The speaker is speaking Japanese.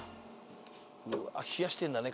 うわ冷やしてんだね